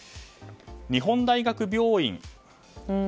日本大学病院。